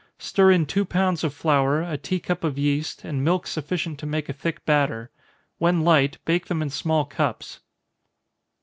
Stir in two pounds of flour, a tea cup of yeast, and milk sufficient to make a thick batter. When light, bake them in small cups.